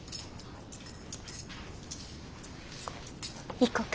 行こか。